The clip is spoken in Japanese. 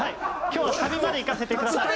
今日はサビまでいかせてください。